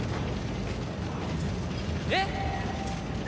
えっ！？